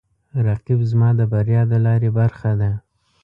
رقیب زما د بریا د لارې برخه ده